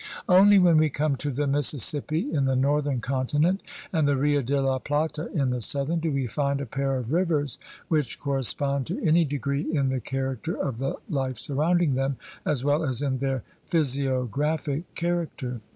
Only when we come to the Mississippi in the northern continent and the Rio de la Plata in the southern do we find a pair of rivers which corre spond to any degree in the character of the life sur rounding them, as well as in their physiographic character.